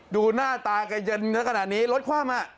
ดูหน้าตาก็เยินเท่ากันในนี้รถความอ่ะ